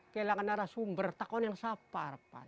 kehilangan arah sumber takutnya yang siapa